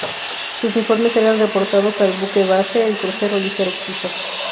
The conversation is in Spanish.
Sus informes eran reportados al buque base, el crucero ligero Kiso.